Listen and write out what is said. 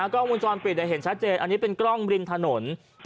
กล้องวงจรปิดเห็นชัดเจนอันนี้เป็นกล้องริมถนน